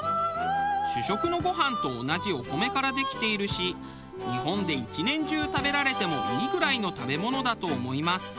主食のご飯と同じお米からできているし日本で１年中食べられてもいいぐらいの食べ物だと思います。